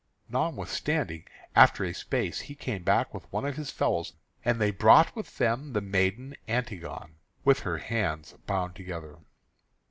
Notwithstanding, after a space he came back with one of his fellows; and they brought with them the maiden Antigone, with her hands bound together.